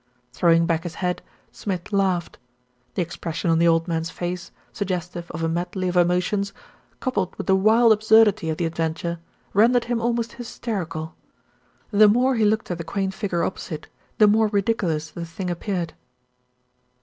Throwing back his head, Smith laughed. The ex pression on the old man's face, suggestive of a medley of emotions, coupled with the wild absurdity of the adventure, rendered him almost hysterical. The more he looked at the quaint figure opposite, the more ridic ulous the thing appeared.